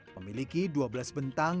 memiliki dua belas bentang